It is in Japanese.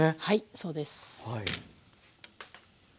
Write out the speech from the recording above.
はいそうです。